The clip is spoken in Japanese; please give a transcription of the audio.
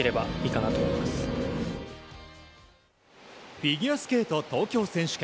フィギュアスケート東京選手権。